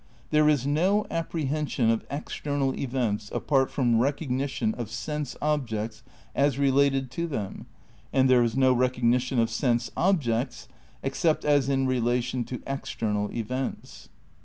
"There is no apprehension of external events apart from recog nition of sense objects as related to them, and there is no recognition of sense objects except as in relation to external events."